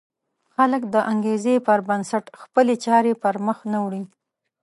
خلک د انګېزې پر بنسټ خپلې چارې پر مخ نه وړي.